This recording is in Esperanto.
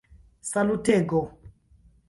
salutego